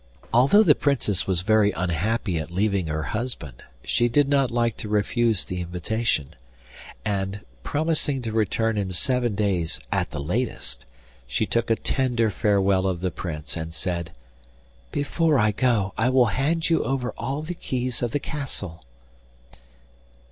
Although the Princess was very unhappy at leaving her husband, she did not like to refuse the invitation, and, promising to return in seven days at the latest, she took a tender farewell of the Prince, and said: 'Before I go I will hand you over all the keys of the castle.